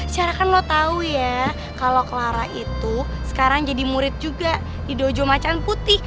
syarah kan lo tau ya kalau clara itu sekarang jadi murid juga di dojo macan putih